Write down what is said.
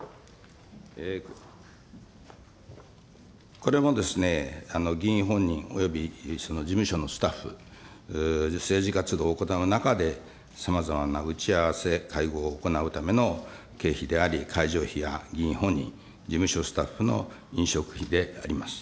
これもですね、議員本人及び事務所のスタッフ、政治活動を行う中で、さまざまな打ち合わせ、会合を行うための経費であり、会場費や議員本人、事務所スタッフの飲食費であります。